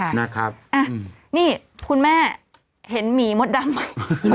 เลยเยอะมากค่ะน่าครับอ่านี่คุณแม่เห็นหมีหมดดำไหม